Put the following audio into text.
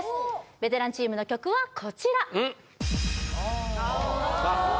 ベテランチームの曲はこちらうん